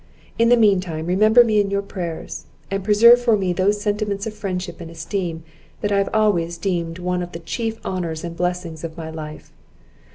In the meantime remember me in your prayers, and preserve for me those sentiments of friendship and esteem, that I have always deemed one of the chief honours and blessings of my life.